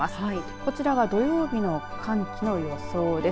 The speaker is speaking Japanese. こちらは土曜日の寒気の予想です。